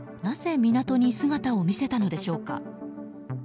なぜ港に姿を見せたのでしょうか。